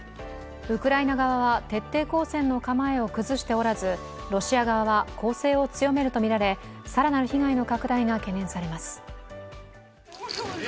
ウクライナ側は徹底抗戦の構えを崩しておらず、ロシア側は攻勢を強めるとみられ更なる被害の拡大が懸念されます。